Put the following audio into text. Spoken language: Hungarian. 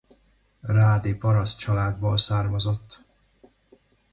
Rádi parasztcsaládból származott.